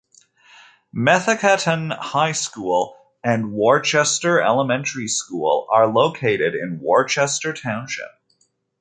Methacton High School and Worcester Elementary School are located in Worcester Township.